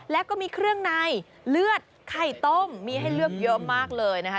แล้วก็มีเครื่องในเลือดไข่ต้มมีให้เลือกเยอะมากเลยนะคะ